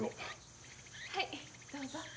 はいどうぞ。